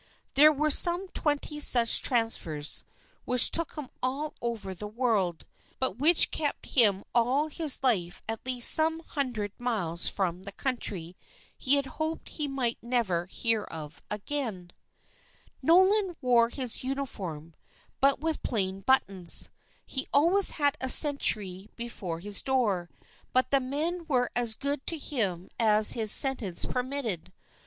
There were some twenty such transfers which took him all over the world, but which kept him all his life at least some hundred miles from the country he had hoped he might never hear of again. [Illustration: HE FLUNG THE BOOK INTO THE SEA] Nolan wore his uniform, but with plain buttons. He always had a sentry before his door, but the men were as good to him as his sentence permitted.